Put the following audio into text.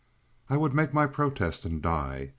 I would make my protest and die.